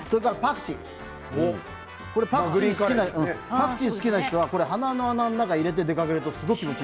それからパクチーパクチー好きな人は鼻の穴の中に入れて出かけるとすごくいい。